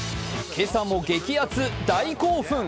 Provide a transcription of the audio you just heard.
今朝も激熱、大興奮。